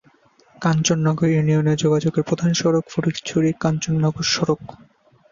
কাঞ্চননগর ইউনিয়নে যোগাযোগের প্রধান সড়ক ফটিকছড়ি-কাঞ্চননগর সড়ক।